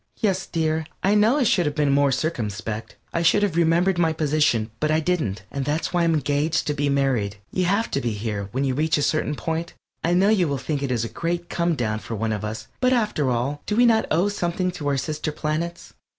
_) Yes, dear, I know I should have been more circumspect. I should have remembered my position, but I didn't. And that's why I'm engaged to be married. You have to here, when you reach a certain point I know you will think it a great come down for one of us, but after all do we not owe something to our sister planets?